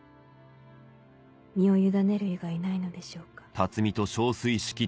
「身を委ねる以外ないのでしょうか」。